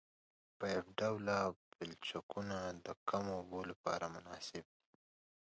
پایپ ډوله پلچکونه د کمو اوبو لپاره مناسب دي